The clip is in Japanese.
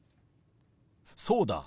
そうだ。